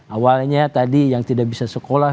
awalnya tadi yang tidak bisa sekolah